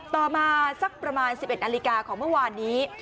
ต่อมาสักประมาณ๑๑นาฬิกาของเมื่อวานนี้